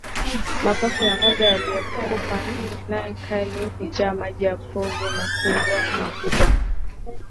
Mapafu ya ngombe aliyekufa kwa ndigana kali hujaa maji na povu na huwa makubwa